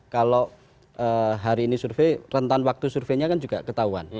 kalau hari ini survei rentan waktu surveinya kan juga ketahuan